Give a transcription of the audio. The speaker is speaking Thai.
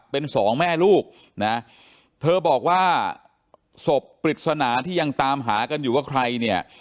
เป็นสองแม่ลูกนะเธอบอกว่าศพปริศนาที่ยังตามหากันอยู่ว่าใครเนี่ย